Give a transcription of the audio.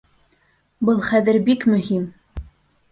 Был хәҙер бик мөһим!